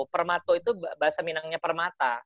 permato itu bahasa minangnya permata